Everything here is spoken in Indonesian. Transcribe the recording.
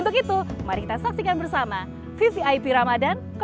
kita mulai lagi nih pak